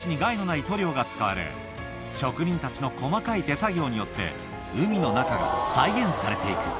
魚たちに害のない塗料が使われ、職人たちの細かい手作業によって、海の中が再現されていく。